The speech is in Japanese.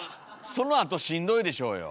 そのあとしんどいでしょうよ。